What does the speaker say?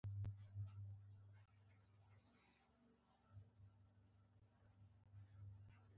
سوشل انحرافات هم څاري.